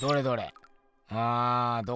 あどこだ？